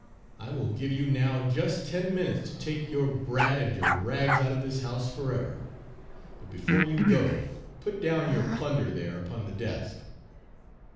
I will give you now just ten minutes to take your brat and your rags out of this house forever. But before you go, put down your plunder there upon the desk!'